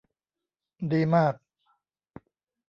ดีมาก !